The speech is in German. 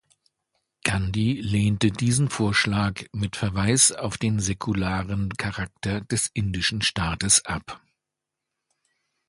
Gandhi lehnte diesen Vorschlag mit Verweis auf den säkularen Charakter des indischen Staates ab.